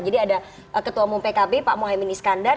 jadi ada ketua umum pkb pak mohaimin iskandar